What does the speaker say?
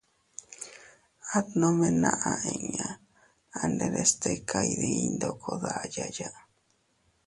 At nome naʼa inña anderes tika iydiy ndoko dayaya.